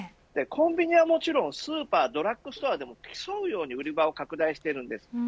コンビニはもちろんスーパー、ドラッグストアなど競うように売り場を拡大しています。